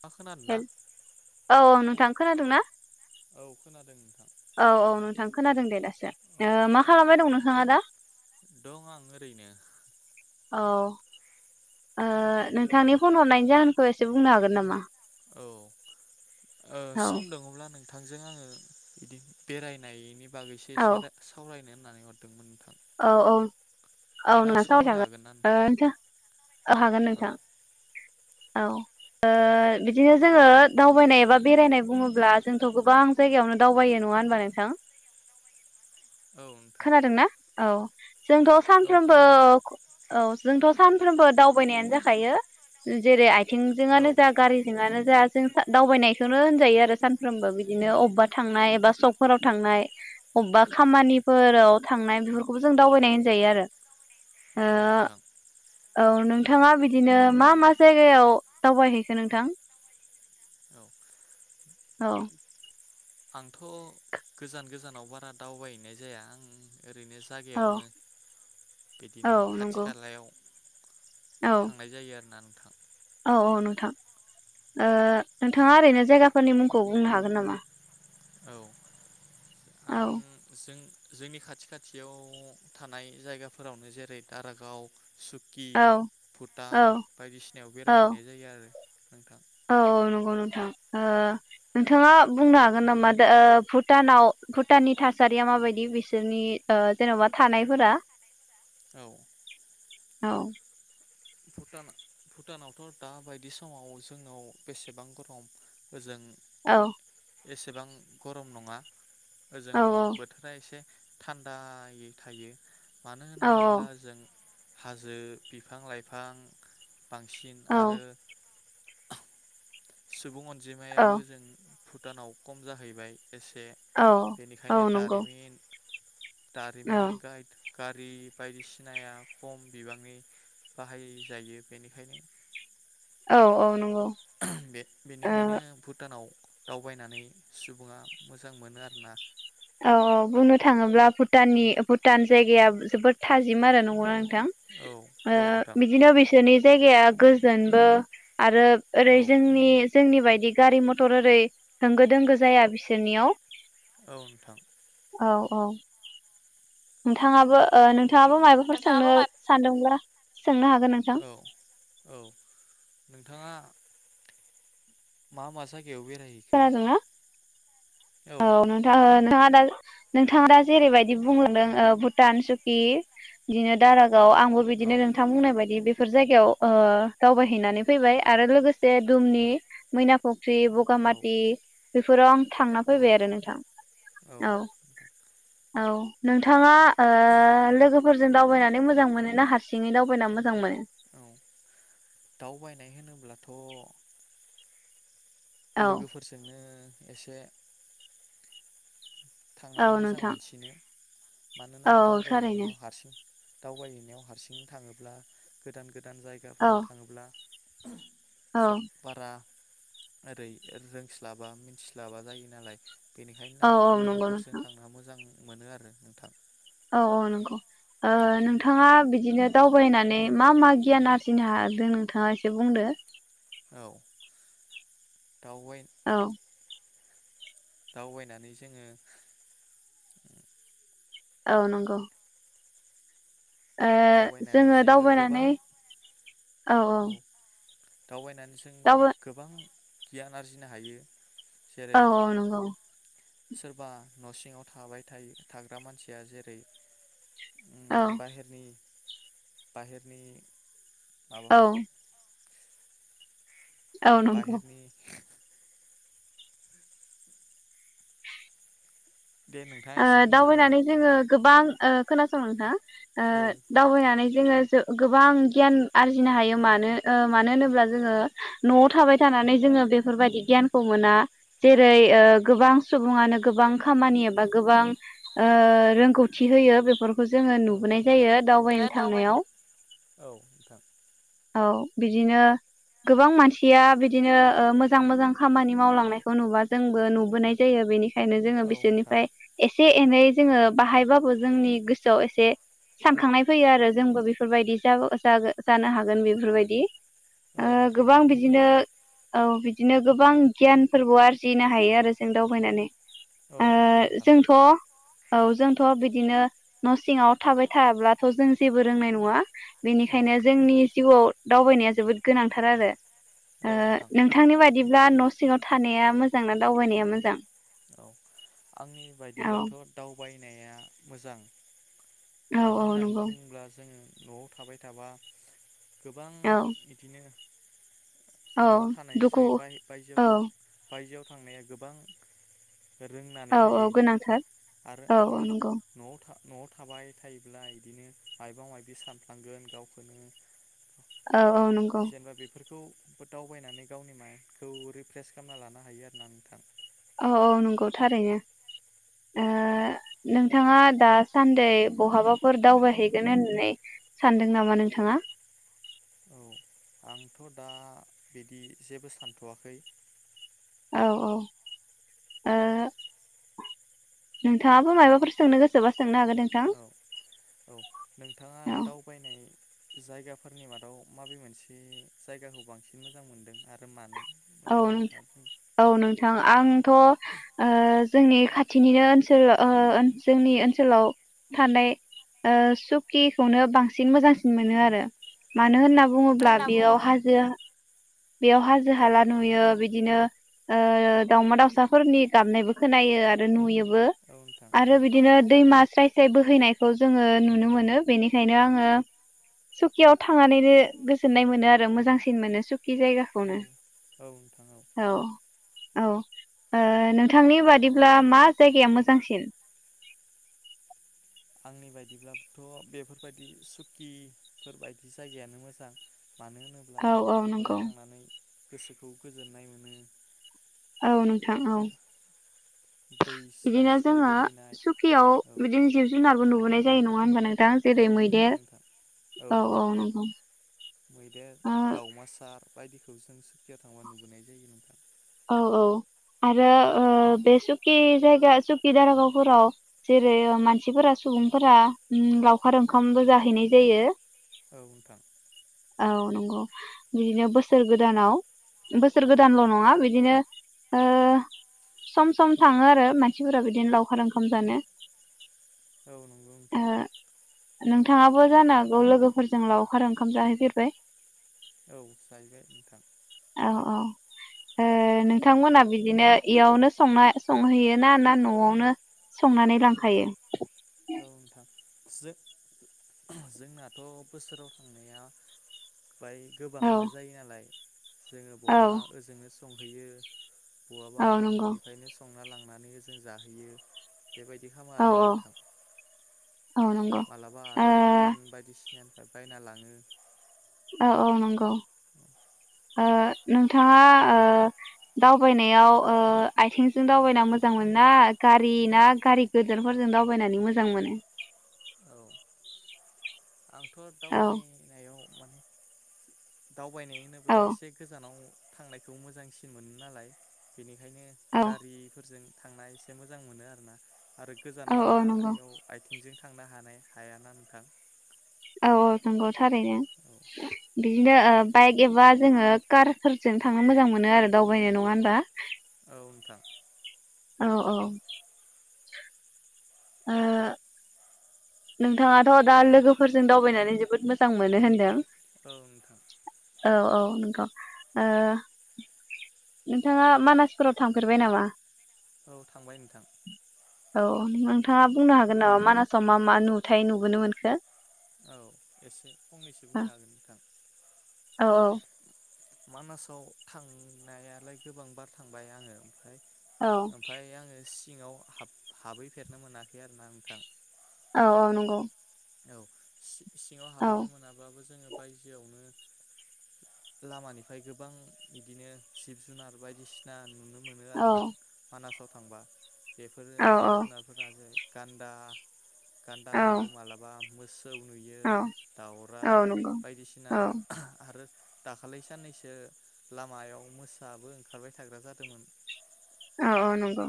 मा खोनादों ना? औ आं थां खोनादों ना? औ खोनादों नोंथां। औ औ नोंथां खोनादों दे। औ ओ मा खालामबाय दं‌ नों? थाङा‌ दा दं आं ओरैनो। औ। ओ‌ औ नोंथांनि फन हरनायनि जाहोनखौ एसे बुंनो हागोन नामा? औ औ सम दङब्ला नों थांजों आङो बिदि बेरायनायनि बागैसे औ एसे सावरायनो नानै हरदोंमोन नोंथां। औ औ औ नोंथाङा नों सम सावराय होनो जागोन हागोन ना? नोंथां औ हागोन नोंथां। औ। ओ बिदिनो जोङो दावबायनाय एबा बेरायनाय बुङोब्ला जोंथ' गोबां जायगायावनो दावबायो नङा होनबा नोंथां? औ नोंथां। खोनादोंना औ। जोंथ' औ सानफ्रोमबो खोनादों औ जोंथ' सानफ्रोमबो दावबायनायानो जाखायो जेरै आय औ थिंजोंआनो जा गारिजोंआनो जा जों दावबायनायखौनो होनजायो आरो सानफ्रोमबो बिदिनो अबेबा थांनाय एबा सकफोराव थांनाय अबेबा खामानिफोराव थांनाय बे खौबो जों दावबायनाय होनजायो आरो। औ ओ नोंथां। औ नोंथाङा बिदिनो मा मा जायगायाव दावबायहैखो नोंथां? औ औ। आंथ' गोजान गोजानाव बारा दावबायहैनाय जाया। आं ओरैनो औ जागायावनो औ बिदिनो खाथि नंगौ खालायाव औ थांनाय जायो आरोना नों थां औ औ नोंथां। नोंथाङा ओरैनो जायगा फोरनि मुंखौ बुंनो हागोन नामा? औ। औ आं जों जोंनि खाथि खाथियाव थानाय जायगाफोरावनो जेरै दारागाव। सुकि औ औ भुटान बायदिसिनायाव औ बेरायहैनाय जायो आरो। नोंथां। औ नंगौ नोंथां नोंथाङा बुंनो हागोन नामा? दा भुटानाव भुटाननि थासारिया माबायदि बिसोरनि जेनबा थानायफोरा। औ। औ। भुटान भुटानावथ' दा बायदि समाव जोंनाव बेसेबां गरम ओजों। औ। एसेबां गरम नङा, औ ओजों बोथोरा एसे थान्दाआयै थायो, मानो औ होनोब्ला जों हाजो बिफां लाइ बिफां, बांसिन आरो औ सुबुं अन औ अनिजमायाबो ओजों, भुटानाव खम जाहैबाय, एसे औ औ बेनिखायनो नंगौ दारिमिन औ दारिमिन गाइद, गारि बायदिसिनाया खम बिबांनि बाहाय जायो बेनिखायनो, औ औ नंगौ, [inaudible] बे ओ बेनिखायनो भुटानाव दावबायनानै सुबुङा मोजां मोनो आरोना, औ औ बुंनो थाङोब्ला भुटाननि भुटान जायगाया जोबोद थाजिम आरो नंगौना, औ नोंथां औ नोंथां ओ बिदिनो बिसोरनि जायगाया गोजोनबो, आरो ओरै औ जोंनि जोंनि बायदि गारि मथर ओरै होंगो दोंगो जाया बिसोरनियाव, औ नोंथां औ औ नोंथाङाबो ओ नोंथाङाबो मायबाफोर नोंथाङाबो सोंनो मा सानदोंब्ला? सोंनो हागोन नोंथां, औ औ नोंथाङा मा मा जाय बेयाव बेेरायहैखो, खोनादोंना औ नोंथां ओ [unintelligible] नोंथां नोंथांआ दा जेरैबायदि बुंलांदों ओ भुटान सुकि बिदिनो दाराग औ आंबो औ बिदिनो नोंथां बुंनाय बायदि बि बेफोर जायगायाव ओ दावबायहैनानै फैबाय आरो लोगोसे दुमनि मैनाखौ फ्रि औ बगामाति बिफोराव आं थांना औ फैबाय आरो नोंथां औ औ नोंथाङा ओ लोगो फोरजों दावबायनानै मोजां मोनोना हारसिङै दावबायना मोजां मोनो औ दावबायनाय होनोब्लाथ [unintelligible] औ लोगोफोरजोंनो एसे थांनानै औ मोजां नोंथां मोनसिनो। मानोना औ थारैनो दावबायहैनायाव हारसिं दावबायहैनायाव हारसिं थाङोब्ला गोदान गोदान औ जायगाफोराव थाङोब्ला [inaudible] औ [inaudible] बारा ओरै रोंस्लाबा मिथिस्लाबा जायो नालाय बेनिखायनो औ आं औ नंगौ लोगोफो [unintelligible] नोंथां थांना मोजां। मोनो आरो नोंथां औ औ नंगौ ओ नोंथाङा बिदिनो दावबायनानै मा मा गियान आरजिनो हादों नोंथाङा एसे बुंदो। औ [unintelligible] औ दावबायनानै जोङो औ नंगौ ओ दावबायनानै जोङो दावबायनानै गोबां औ औ दावबायनानै जों दावबाय गोबां गियान आरजिनो हायो। जेरै औ औ नंगौ। सोरबा न सिङाव थाबाय थायो थाग्रा मानसिया जेरै औ बाहेरनि। बाहेरनि। माबा औ। औ नंगौ बाहेरनि दे नोंथाङा एसे ओ बुंनालाय दावबायनानै जोङो गोबां ओ खोनासं नोंथाङा औ ओ दावबायनानै जोङो गोबां गियान आरजिनो हायो मानो ओ मानो होनोब्ला जोङो नआव थाबाय थानानै जोङो बेफोरबायदि गियानखौ मोना जेरै ओ गोबां सुबुङानो गोबां खामानि एबा गोबां ओ रोंगौथि होयो बेफोर खौ जोङो औ नुबोनाय नोंथां जायो बेयो दावबायनो दावबाय थांनायाव औ नोंथां औ बिदिनो गोबां मानसिया बिदिनो ओ मोजां मोजां खामानि मावलांनायखौ नुबा जोंबो नुबोनाय जायो बेनि खायनो जोङो औ नोंथां बिसोरनिफ्राय एसे एनै जोङो बाहायबाबो जोंनि गोसोआव एसे सानखांनाय फैयो आरो जोंबो बेफोरबायदि जा-जागो-जानो हागोन बेफोरबायदि औ ओ नोंथां गोबां नंगौ बिदिनो औ बिदिनो गोबां गियान फोरबो आरजिनो हायो आरो जों दावबायनानै औ ओ नंगौ नोंथां जोंथ औ जोंथ बिदिनो न सिङाव थाबाय थाब्लाथ जों जेबो रोंनाय नङा औ बेनिखायनो जोंनि नोंथां जिउआव दावबायनाया जोबोद गोनांथार आरो औ ओ नोंथां नोंथांनि बादि ब्ला न सिङाव थानाया मोजां ना दावबायनाया मोजां? औ आंनि औ बायदिब्लाथ दावबाय- नाया मोजां औ मानो औ होननानै नंगौ बुङोब्ला जोङो नआव थाबाय थाबा गोबां औ बिदिनो औ नआव थानायसै दुखु बाय-बायजो औ बायजोआव थांनाया गोबां रोंनानै औ फैयो औ गोनांथार आरो औ औ उम नंगौ नआव था नआव थाबाय थायोब्ला बिदिनो मायबा माबि सानफ्लांगोन गावखौनो औ औ नंगौ। जेनेबा बेफोरखौ दावबायनानै गावनि माइनखौ रिफ्रेस खालामना लानो हायो आरोना नोंथां औ औ नंगौ थारैनो [unintelligible] नोंथाङा दासान्दै बहाबाफोर दावबायहैगोन होननानै सानदों नामा नोंथाङा? औ आंथ दा बिदि जेबो सानथवाखै। औ औ ओ नोंथाङाबो मायबाफोर सोंनो गोसोबा सो औ औ नोंथाङा औ दावबायनाय जायगाफोरनि मादाव माबे मोनसे जायगाखौ बांसिन मोजां मोनदों आरो मानो? औ मोनदों नोंथां नोंथाङा बुं औ नोंथां आंथ ओ जोंनि खाथिनिनो ओनसोल ओ जोंनि ओनसोलाव थानाय ओ सुकिखौनो बांसिन मोजांसिन मोनो आरो औ मानो नोंथां होनना बुङोब्ला होनना बुङो बेयाव हाजो बेयाव हाजो औ हाला नुयो बिदिनो ओ दाउमा दाउसाफोरनि गाबनायबो खोनायो आरो नुयो बो औ नोंथां औ आरो बिदिनो दैमा स्राय स्राय बोहैनायखौ जोङो नुनो मोनो बेनिखायनो आङो सुकियाव थांनानैनो गोजोननाय मोनो आरो मोजांसिन मोनो सुकि कि औ जायगाखौनो औ नोंथां औ। औ ओ नोंथांनि बादिब्ला मा जायगाया मोजांसिन? आंनि बायदिब्लाथ बेफोरबायदि सुकिफोरबायदि जायगायानो मोजां। मानो होनोब्ला औ औ बेफोराव नंगौ थांनानै गोसोखौ गोजोननाय मोनो। औ नोंथां औ दै स्राय बिदिनो स्राय जोङो बोहैनाय सुकियाव औ बिदिनो जिब जुनार नुबोनाय जायो नङा होनबा नों थां औ जेरै नुयो मैदेर नोंथां औ औ नंगौ मैदेर ओ दावमासार बायदिखौ जों सुकियाव थांबा नुुबोनाय जायो नोंथां। औ औ आरो ओ बे सुकि जायगा सुकि दारागावफोराव जेरै मानसिफोरा सुबुंफोरा उम लावखार ओंखामबो जाहैनाय जायो। औ नोंथां औ नंगौ बिदिनो बोसोर गोदानाव बोसोर औ गोदानल नोंथां नङा बिदिनो ओ सम सम थाङो आरो मानसिफोरा बिदिनो लावखार ओंखाम जानो। औ नोंगौ ओ नोंथां। नोंथाङाबो जानो हागौ लोगोफोरजों लावखार ओंखाम जाहै फेरबाय औ जाहैबाय नोंथां। औ औ ओ नोंथांमोना बिदिनो इयावनो संना संहैयो ना ना नआवनो संनानै लांखायो? जों-जोंनाथ बोसोराव थांनाया बाय औ गोबाङानो जायो नालाय जोङो औ बबा ओजोंनो स संहैयो बआबा औ आरो नंगौ ननिफ्रायनो संना लां थांनानै ओजों जाहोयो। बेबायदि खामो औ आरोना औ नोंथां। औ नंगौ ओ मालाबा आरो दखान बायदिसिना निफ्राय बायना लाङो औ औ नंगौ ओ नोंथाङा ओ दावबायनायाव ओ आथिंजों दावबायना मोजां मोन ना गारि ना गारि गोदोरफोरजों दावबायनानै मोजां मोनो आंथ‌ औ दावबायनायाव माने दावबायनाय औ होनोब्ला एसे गोजानाव थांनायखौ मोजांसिन मोनो नालाय बेनि बेनिखायनो औ गारिफोरजों थांना एसे मोजां मोनो आरोना आरो गोजान औ औ नंगौ लामायाव आथिंजों थांनो हानाय हायाना नोंथां औ औ नंगौ थारैनो औ बिदिनो ओ बाइक एबा जोङो कारफोरजों थांनो मोजां मोनो आरो दावबायनाय नङा होनबा औ नोंथां औ औ ओ नोंथाङाथ दा लोगोफोरजों दावबायनानै जोबोद मोजां मोनो होनदों औ नोंथां औ औ नंगौ ओ नोंथाङा मानासफोराव थांफेरबाय नामा औ थांबाय नोंथां औ नोंथाङा बुंनो हागोन नामा मानासाव मा मा नुथाय नुबोनो मोनखो औ एसे फंनैसो बुंनो हागोन नोंथां औ औ मानासाव थांनायालाय गोबां बार थांबाय आङो ओमफ्राय औ ओमफाय आङो सि सिङाव हाब-हाबहैफेरनो मोनाखै आरोना नोंथां औ औ नंगौ औ सिङाव औ हाबहैनो मोनाबाबो जोङो बायजोआवनो लामानिफ्राय गोबां बिदिनो जिब जुनार बायदिसिना नुनो मोन मोनो औ आरोना मानासाव थांबा। बेफोरो औ जिब औ जुनारफोरा जै गान्दा गान्दा औ नुयो माला मा मोस सौ नुयो औ औ दाउराइ नंगौ बायदिसिना औ आरो दाखालि साननैसो लामायाव मोसाबो ओंखारबाय थाग्रा जादोंमोन। औ औ नंगौ।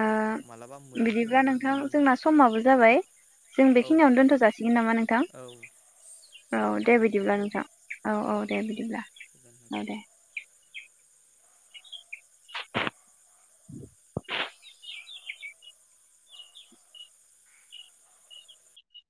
ओ मालाबा मैबो बिदिब्ला नोंथां नुनो मोनो जोंना समाबो जाबाय। जों औ बेखियावनो दोनथ जासिगोनामा? नोंथां औ औ दे बिदिब्ला नोंथां औ औ दे बिदिब्ला होगोन नोंथां औ दे। [unintelligible]